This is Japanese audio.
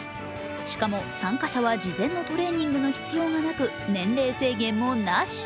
しかも、参加者は事前のトレーニングの必要がなく、年齢制限もなし。